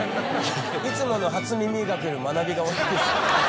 いつもの『初耳学』より学びが多いです。